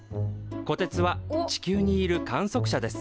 こてつは地球にいる観測者です。